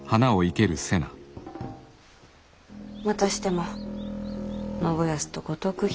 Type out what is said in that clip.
またしても信康と五徳姫。